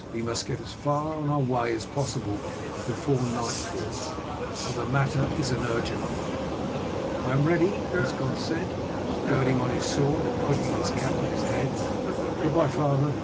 We must get as far on our way as possible before nightfall, for the matter is an urgent one." "I am ready," Osgod said, girding on his sword and putting his cap on his head. "Good bye, father.